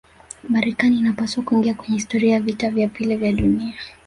marekani inapaswa kuingia kwenye historia ya vita vya pili vya dunia